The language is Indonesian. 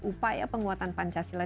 upaya penguatan pancasila